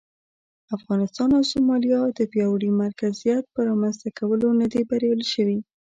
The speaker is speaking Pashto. افغانستان او سومالیا د پیاوړي مرکزیت پر رامنځته کولو نه دي بریالي شوي.